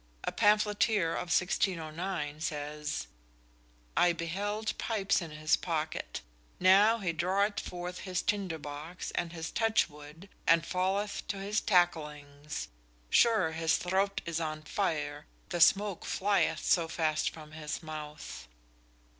A pamphleteer of 1609 says: "I behelde pipes in his pocket; now he draweth forth his tinder box and his touchwood, and falleth to his tacklings; sure his throat is on fire, the smoke flyeth so fast from his mouth."